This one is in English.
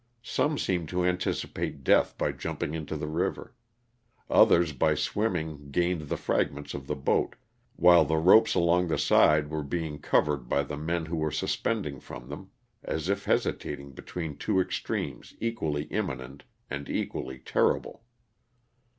Some seemed to anticipate death by jumping into the river. Others, by swimming, gained the fragments of the boat, while the ropes along the side were being covered by the men who were suspending from them, as if hesi tating between two extremes equally imminent and equally terrible.